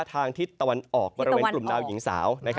ทิศตะวันออกบริเวณกลุ่มดาวหญิงสาว